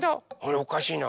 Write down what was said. おかしいな。